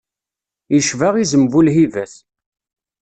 Yecba izem bu lhibat.